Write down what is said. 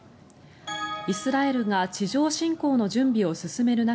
イスラエルが地上侵攻の準備を進める中